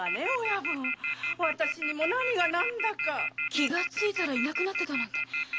気が付いたらいなくなってたなんて。